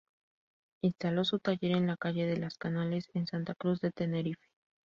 Instaló su taller en la Calle de Las Canales en Santa Cruz de Tenerife.